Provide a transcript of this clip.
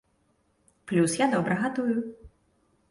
Плюс я добра гатую.